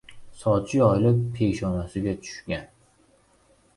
Sochi yoyilib, peshonasiga tush- gan.